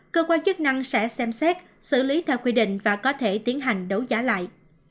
cơ quan chức năng sẽ xem xét xử lý theo quy định và có thể tiến hành đấu giá lại